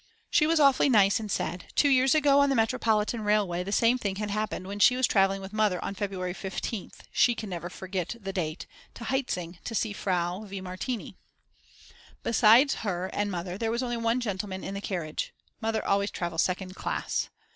She was awfully nice and said: Two years ago on the Metropolitan Railway the same thing had happened when she was travelling with Mother on February 15th, she can never forget the date, to Hietzing to see Frau v. Martini. Besides her and Mother there was only one gentleman in the carriage, Mother always travels second class.